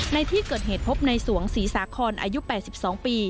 ในที่เกิดเหตุพบในสวงศรีสาคอนอายุ๘๒ปี